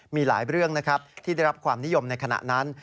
มีหลายเรื่องนะครับที่ได้รับความนิยมในขณะนั้น